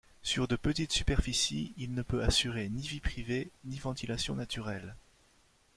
Sur de petites superficies, il ne peut assurer ni vie privée ni ventilation naturelle.